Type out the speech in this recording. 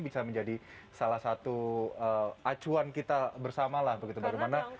bisa menjadi salah satu acuan kita bersama lah begitu bagaimana tiongkok yang negara ini